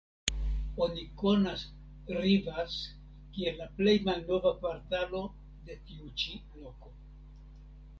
Oni konas "Rivas" kiel la plej malnova kvartalo de tiu ĉi loko.